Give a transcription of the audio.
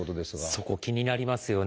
そこ気になりますよね。